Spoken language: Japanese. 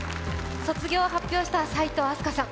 卒業を発表した齋藤飛鳥さん。